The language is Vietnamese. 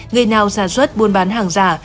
người nào sản xuất buôn bán hàng giả